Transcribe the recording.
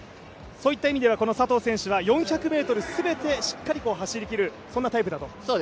そういった意味では佐藤選手は４００ｍ、全てしっかり走りきるそんなタイプだと。